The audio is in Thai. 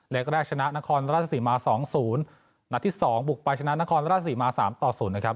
แรกแรกชนะนครราชศรีมาสองศูนย์นัดที่สองบุกไปชนะนครราชศรีมาสามต่อศูนย์นะครับ